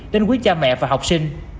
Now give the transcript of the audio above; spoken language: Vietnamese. đến quý cha mẹ và học sinh